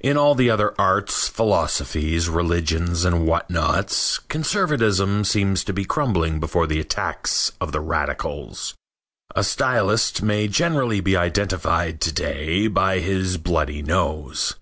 In all the other arts, philosophies, religions and what nots conservatism seems to be crumbling before the attacks of the radicals. A stylist may generally be identified to day by his bloody nose.